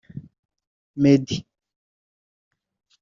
Meddy